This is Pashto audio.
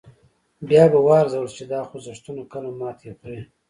بیا به و ارزول شي چې دا خوځښتونه کله ماتې خوري.